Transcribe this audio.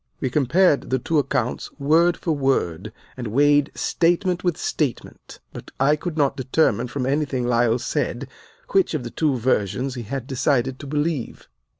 We compared the two accounts word for word, and weighed statement with statement, but I could not determine from anything Lyle said which of the two versions he had decided to believe.